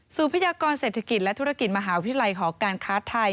พยากรเศรษฐกิจและธุรกิจมหาวิทยาลัยหอการค้าไทย